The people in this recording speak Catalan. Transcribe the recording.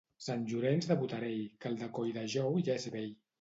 Sant Llorenç de Botarell, que el de Colldejou ja és vell.